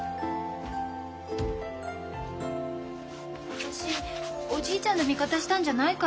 私おじいちゃんの味方したんじゃないからね。